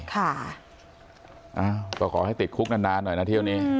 ค่ะอ้าวก็ขอให้ติดคุกนานหน่อยนะเที่ยวนี้